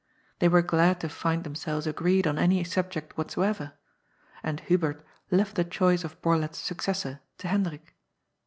They were glad to find themselves agreed on any subject whatso ever. And Hubert left the choice of Borlett's successor to Hendrik.